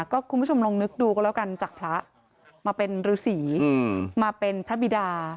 ก็คุณผู้ชมลองนึกดูก็แล้วกันจากพระมาเป็นฤษีมาเป็นพระบิดา